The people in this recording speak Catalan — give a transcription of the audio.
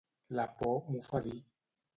La por m'ho fa dir.